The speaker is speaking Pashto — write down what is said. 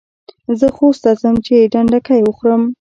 زه خوست ته ځم چي ډنډکۍ وخورم.